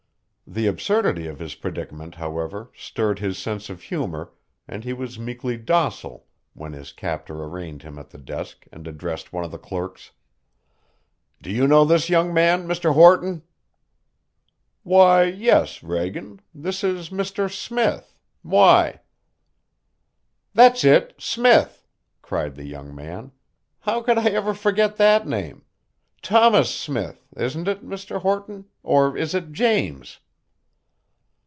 The absurdity of his predicament, however, stirred his sense of humor and he was meekly docile when his captor arraigned him at the desk and addressed one of the clerks: "Do you know this young man, Mr. Horton?" "Why, yes, Reagan this is Mr. Smith why" "That's it Smith!" cried the young man. "How could I ever forget that name? Thomas Smith, isn't it, Mr. Horton, or is it James?"